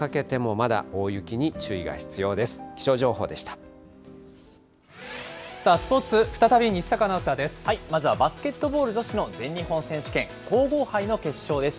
まずはバスケットボール女子の全日本選手権、皇后杯の決勝です。